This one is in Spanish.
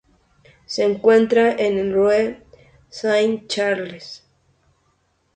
Se encuentra en la rue Saint-Charles.